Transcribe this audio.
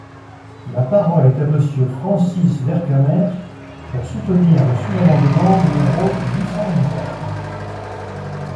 La parole est Monsieur Francis Vercamer, pour soutenir le sous-amendement numéro huit cent vingt-quatre.